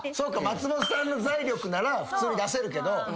松本さんの財力なら普通に出せるけど。